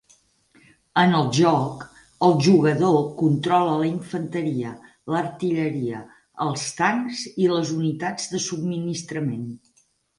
En el joc, el jugador controla la infanteria, l'artilleria, els tancs i les unitats de subministrament.